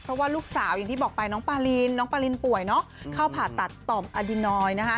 เพราะว่าลูกสาวอย่างที่บอกไปน้องปารินน้องปารินป่วยเนอะเข้าผ่าตัดต่อมอดินอยนะคะ